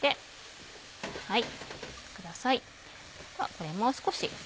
これもう少し。